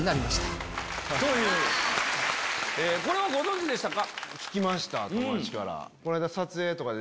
これはご存じでしたか？